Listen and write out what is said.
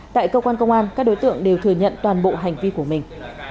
tại cơ quan công an các đối tượng đều thừa nhận toàn bộ hành vi của mình